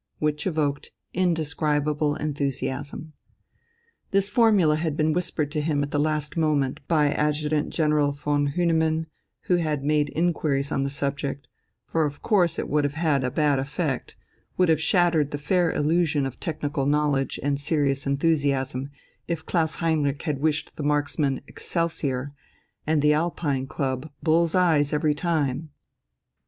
which evoked indescribable enthusiasm. This formula had been whispered to him at the last moment by Adjutant General von Hühnemann, who had made inquiries on the subject; for of course it would have had a bad effect, would have shattered the fair illusion of technical knowledge and serious enthusiasm, if Klaus Heinrich had wished the marksmen "Excelsior" and the Alpine Club "Bull's eyes every time!"